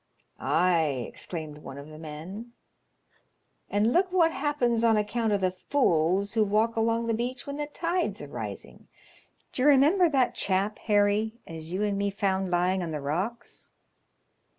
" Ay," exclaimed one of the men, " and look what happens on account of the fools who walk along the beach when the tide's a rising. D'ye remember that chap, Harry, as you and me found lying on the rocks